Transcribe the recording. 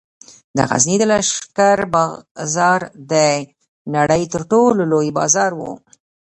د غزني د لښکر بازار د نړۍ تر ټولو لوی بازار و